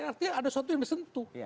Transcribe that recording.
artinya ada sesuatu yang disentuh